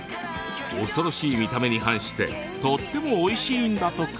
恐ろしい見た目に反してとってもおいしいんだとか。